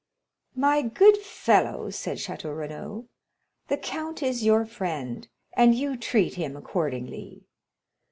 "My good fellow," said Château Renaud, "the count is your friend and you treat him accordingly.